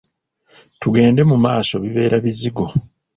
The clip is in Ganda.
Tugende mu maaso bibeera bizigo.